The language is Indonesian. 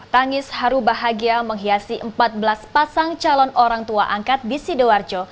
tangis haru bahagia menghiasi empat belas pasang calon orang tua angkat di sidoarjo